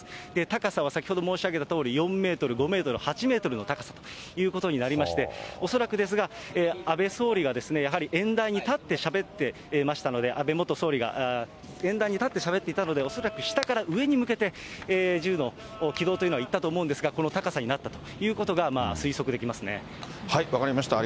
高さは先ほど申し上げたとおり、４メートル、５メートル、８メートルの高さということになりまして、恐らくですが、安倍総理が、やはり演壇に立ってしゃべってましたので、安倍元総理が、演壇に立ってしゃべっていたので、恐らく下から上に向けて、銃の軌道というのはいったと思うんですが、この高さになったとい分かりました。